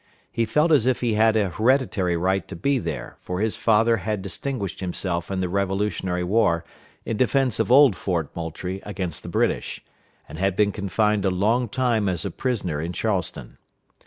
He felt as if he had a hereditary right to be there, for his father had distinguished himself in the Revolutionary War in defense of old Fort Moultrie against the British, and had been confined a long time as a prisoner in Charleston.